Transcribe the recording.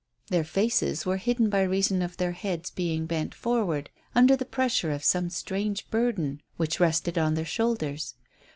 Their faces were hidden by reason of their heads being bent forward under the pressure of some strange burden which rested on their shoulders.